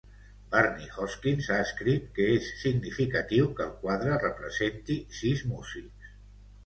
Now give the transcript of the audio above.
Barney Hoskyns ha escrit que és significatiu que el quadre representi sis músics.